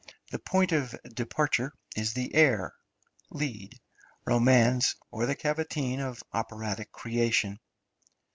The point of departure is the air (lied, romanze), or the cavatine of operatic creation.